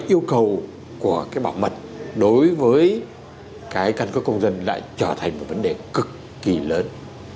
yêu cầu của cái bảo mật đối với cái căn cước công dân lại trở thành một vấn đề cực kỳ lớn